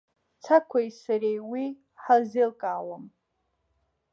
Цақәеи сареи уи ҳалзеилкаауам.